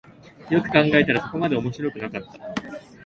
よく考えたらそこまで面白くなかった